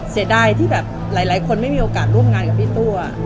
เสียดายที่แบบหลายคนไม่มีโอกาสร่วมงานกับพี่ตัว